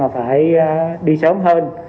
phải đi sớm hơn